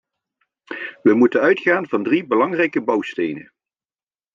We moeten uitgaan van drie belangrijke bouwstenen.